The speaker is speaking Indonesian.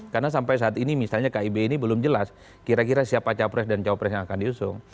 karena sampai saat ini misalnya kib ini belum jelas kira kira siapa capres dan cawapres yang akan diusung